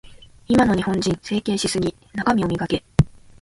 今の日本人、整形しすぎ。中身を磨け。